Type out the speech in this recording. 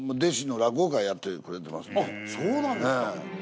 あっそうなんですか。